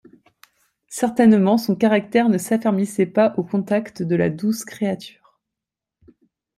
Certainement son caractère ne s'affermissait pas au contact de la douce créature.